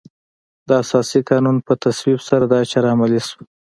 د اساسي قانون په تصویب سره دا چاره عملي شوه.